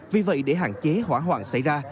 vì vậy để hạn chế hỏa hoạn xảy ra